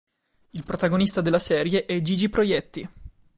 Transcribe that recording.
Il protagonista della serie è Gigi Proietti.